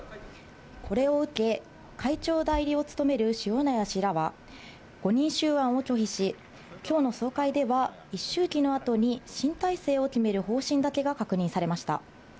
これを受け、会長代理を務める塩谷氏らは、５人衆案を拒否し、きょうの総会では一周忌のあとに新体制を決める方針だけが確認されました。